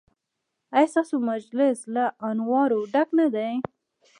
ایا ستاسو مجلس له انوارو ډک نه دی؟